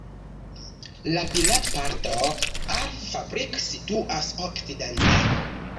La vilaĝparto Alf-Fabrik situas okcidente.